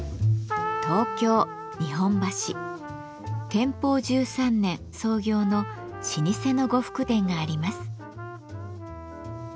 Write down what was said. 天保１３年創業の老舗の呉服店があります。